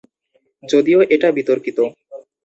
যদিও এটা বিতর্কিত।